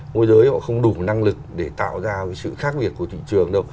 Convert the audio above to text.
môi giới họ không đủ năng lực để tạo ra cái sự khác biệt của thị trường đâu